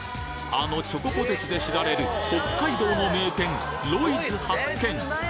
あのチョコポテチで知られる北海道の名店「ロイズ」発見！